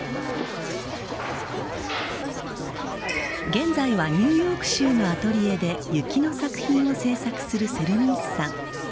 現在はニューヨーク州のアトリエで雪の作品を制作するセルミンスさん。